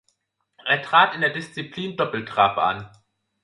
Er trat in der Disziplin Doppeltrap an.